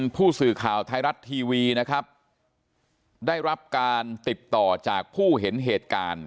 ผู้สื่อข่าวไทยรัฐทีวีนะครับได้รับการติดต่อจากผู้เห็นเหตุการณ์